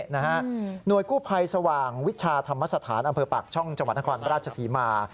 หน่วยกู้ภัยสว่างวิชาธรรมสถานอำเภอปากช่องจังหวัดนครราชศรีมา